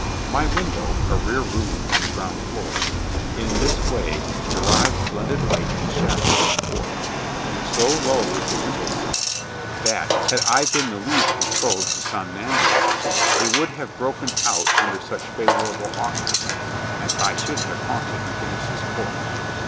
My window a rear room on the ground floor in this way derived blended light and shadow from the court. So low was the window sill that, had I been the least disposed to somnambulism, it would have broken out under such favorable auspices, and I should have haunted McGinnis's Court.